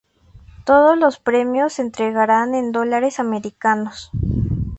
Todos los Premios se entregarán en Dólares Americanos.